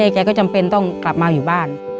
แกก็จำเป็นต้องกลับมาอยู่บ้าน